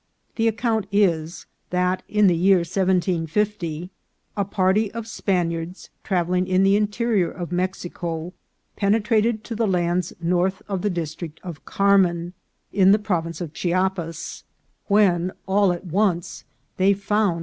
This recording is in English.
The account is, that in the year 1750, a party of Spaniards travelling in the interior of Mexico pene trated to the lands north of the district of Carmen, in the province of Chiapas, when all at once they found DISCOVERY OF PALENQUE.